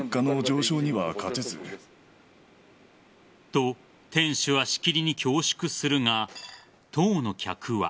と、店主はしきりに恐縮するが当の客は。